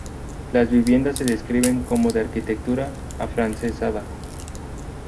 Las viviendas se describen como de arquitectura afrancesada.